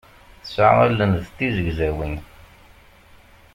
Tesɛa allen d tizegzawin.